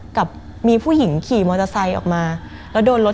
มันกลายเป็นรูปของคนที่กำลังขโมยคิ้วแล้วก็ร้องไห้อยู่